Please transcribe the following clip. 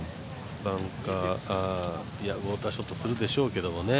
ウオーターショットするでしょうけどね。